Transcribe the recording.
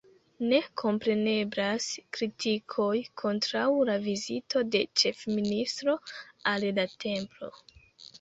Ne kompreneblas kritikoj kontraŭ la vizito de ĉefministro al la templo.